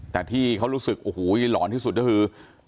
แต่ที่เขารู้สึกโอ้โหหลอนที่สุดก็คือ